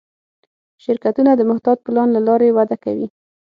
شرکتونه د محتاط پلان له لارې وده کوي.